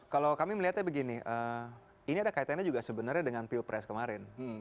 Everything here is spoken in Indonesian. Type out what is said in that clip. kalau kami melihatnya begini ini ada kaitannya juga sebenarnya dengan pilpres kemarin